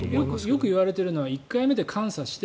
よく言われているのは１回目で感作して